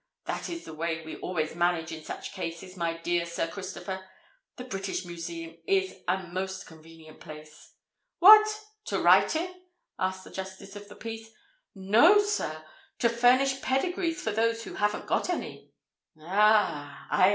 _' That is the way we always manage in such cases, my dear Sir Christopher. The British Museum is a most convenient place——" "What—to write in?" asked the Justice of the Peace. "No, sir—to furnish pedigrees for those who haven't got any." "Ah!